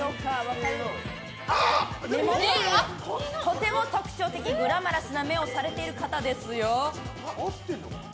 とても特徴的グラマラスな目をされている方ですよ。